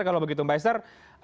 kalau begitu mbak esther